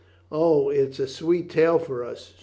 "O, it's a sweet tale for us.